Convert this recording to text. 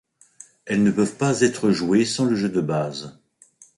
Elles ne peuvent pas être jouées sans le jeu de base.